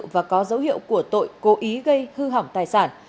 và có dấu hiệu của tội cố ý gây hư hỏng tài sản